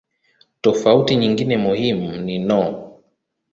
Tofauti nyingine muhimu ni no.